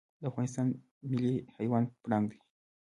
د افغانستان ملي حیوان پړانګ دی